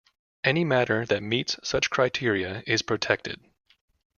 Any matter that meets such criteria is protected.